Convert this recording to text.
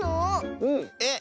うん。えっ？